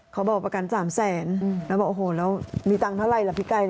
เขาบอกประกัน๓แสนแล้วบอกโอ้โหแล้วมีตังค์เท่าไหร่ล่ะพี่ไก่